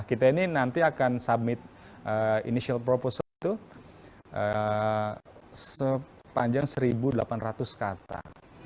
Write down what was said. kita ini nanti akan summit initial proposal itu sepanjang seribu delapan ratus kata